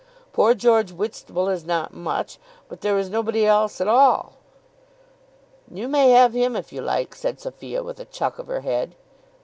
Poor George Whitstable is not much; but there is nobody else at all." "You may have him if you like," said Sophia, with a chuck of her head.